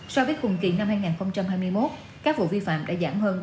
so với khùng kỳ năm hai nghìn hai mươi một các vụ vi phạm đã giảm hơn ba mươi bảy